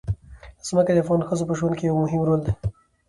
ځمکه د افغان ښځو په ژوند کې هم یو رول لري.